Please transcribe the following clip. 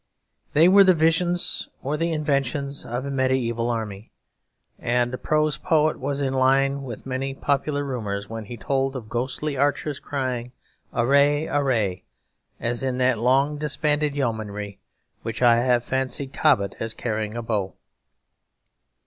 They were the visions or the inventions of a mediæval army; and a prose poet was in line with many popular rumours when he told of ghostly archers crying "Array, Array," as in that long disbanded yeomanry in which I have fancied Cobbett as carrying a bow.